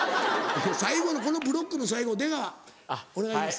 最後のこのブロックの最後出川お願いします。